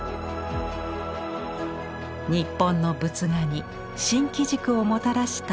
日本の仏画に新機軸をもたらした「五百羅漢図」。